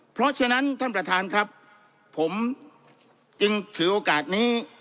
เพราะฉะนั้นท่านประธานครับผมจึงถือโอกาสนี้